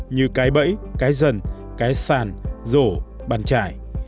như cái bẫy cái dần cái sàn rổ bàn chải